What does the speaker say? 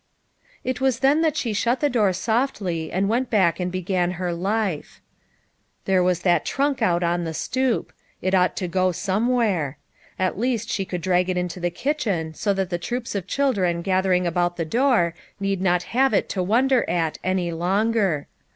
It was then that she shut the door softly and went back and began her life. There was that trunk out on the stoop. It BEGLSTNTffG HEK LIFE. 33 ought to go somewhere. At least she could drag it into the kitchen so that the troops of children gathering about the door need not have it to wonder at any longer.